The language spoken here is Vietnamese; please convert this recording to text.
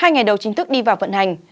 hai ngày đầu chính thức đi vào vận hành